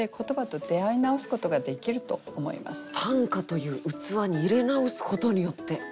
「短歌という器に入れ直すことによって」。